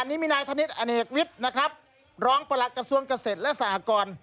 มีนายธนิษฐ์อเอนแอกวิทย์ร้องประหลักกระทรวงกเศรษฐ์และสหกร